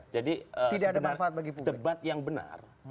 jadi debat yang benar